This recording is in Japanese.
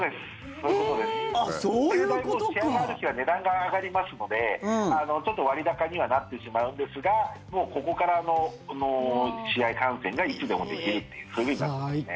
そういう場合、試合がある日は値段が上がりますのでちょっと割高にはなってしまうんですがもうここから試合観戦がいつでもできるっていう最高。